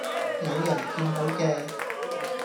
有人見到嘅